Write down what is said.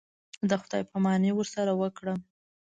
د خداى پاماني ورسره وكړم.